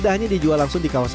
bang grab oh yang enak banget